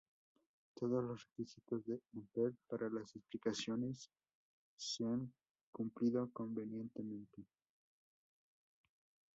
Todos los requisitos de Hempel para las explicaciones N-D se han cumplido convenientemente.